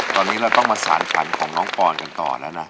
ตอนนี้เราต้องมาสารฝันของน้องปอนกันต่อแล้วนะ